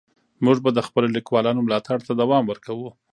موږ به د خپلو لیکوالانو ملاتړ ته دوام ورکوو.